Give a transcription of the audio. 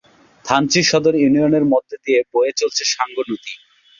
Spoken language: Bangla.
থানচি সদর ইউনিয়নের মধ্য দিয়ে বয়ে চলেছে সাঙ্গু নদী।